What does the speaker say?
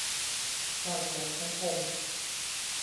สร้างพลังสังคม